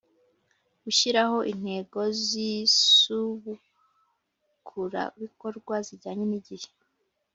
gushyiraho intego z isubukurabikorwa zijyanye n’igihe